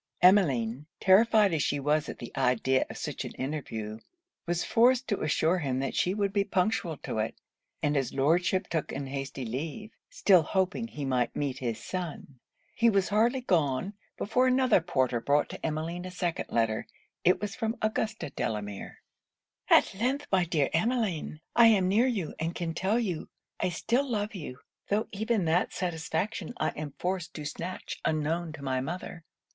Emmeline, terrified as she was at the idea of such an interview, was forced to assure him she would be punctual to it; and his Lordship took an hasty leave, still hoping he might meet his son. He was hardly gone, before another porter brought to Emmeline a second letter: it was from Augusta Delamere. 'At length, my dear Emmeline, I am near you, and can tell you I still love you; tho' even that satisfaction I am forced to snatch unknown to my mother.